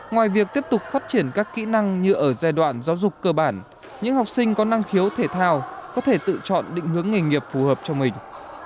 ngoài việc tiếp tục phát triển các kỹ năng như ở giai đoạn giáo dục cơ bản những học sinh có năng khiếu thể thao có thể tự chọn định hướng nghề nghiệp phù hợp cho mình